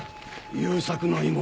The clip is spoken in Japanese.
雄作の妹。